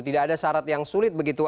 tidak ada syarat yang sulit begitu